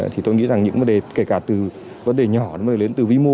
thì tôi nghĩ rằng những vấn đề kể cả từ vấn đề nhỏ đến từ vĩ mô